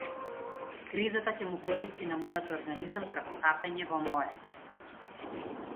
Кризата ќе му користи на мојот организам како капење во море.